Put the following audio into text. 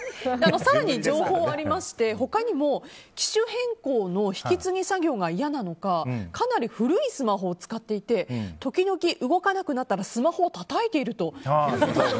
更に情報ありまして他にも機種変更の引き継ぎ作業が嫌なのかかなり古いスマホを使っていて時々動かなくなったらスマホをたたいていると。